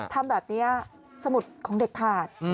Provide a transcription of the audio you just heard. ทำแบบนี้สมุดของเด็กขาด